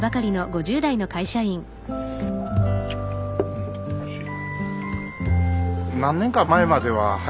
うんおいしい。